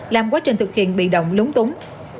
làm quá trình thực hiện bị động lúng túng